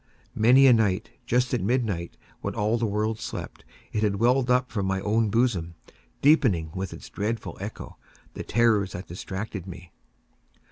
Many a night, just at midnight, when all the world slept, it has welled up from my own bosom, deepening, with its dreadful echo, the terrors that distracted me.